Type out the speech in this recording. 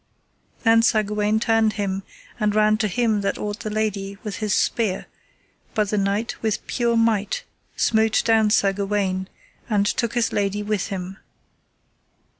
Then Sir Gawaine turned him and ran to him that ought the lady, with his spear, but the knight with pure might smote down Sir Gawaine, and took his lady with him.